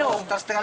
air langsung besar